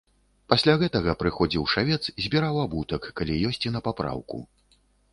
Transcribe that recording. Пасля гэтага прыходзіў шавец, збіраў абутак, калі ёсць і на папраўку.